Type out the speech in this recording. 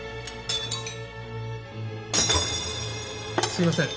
すいません。